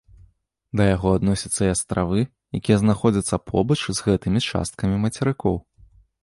Да яго адносяцца і астравы, якія знаходзяцца побач з гэтымі часткамі мацерыкоў.